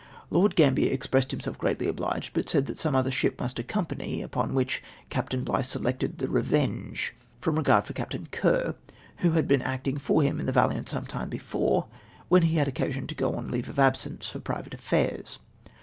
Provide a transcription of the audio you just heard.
Lord Gambier expressed himself greatly obliged, but said some other ship must accompany, upon which Capt. Bligh selected the Re venge, from regard for Capt. Kerr, who had been acting for him in the Valiant some time before, when he had occasion to go on leave of absence for private affairs.